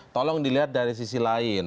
tolong dilihat dari sisi lain